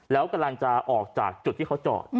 แล้วกำลังจะออกจากจุดที่เขาจอด